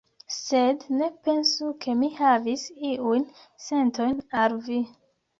Sed ne pensu ke mi havis iujn sentojn al vi.